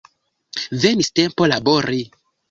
Venis tempo labori.